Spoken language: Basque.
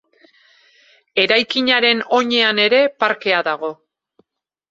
Eraikinaren oinean ere parkea dago.